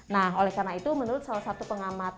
nah oleh karena itu menurut salah satu pengamat